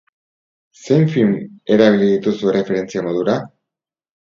Zein film erabili dituzu erreferentzia modura?